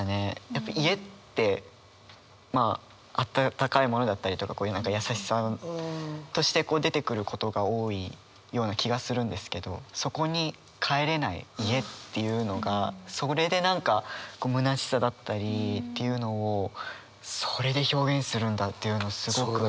やっぱ家ってまあ温かいものだったりとか優しさとして出てくることが多いような気がするんですけどそこに「帰れない家」っていうのがそれで何かむなしさだったりっていうのをそれで表現するんだというのをすごく。